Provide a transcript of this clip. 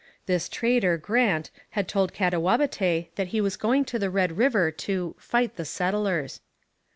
This trader Grant had told Katawabetay that he was going to the Red River 'to fight the settlers.'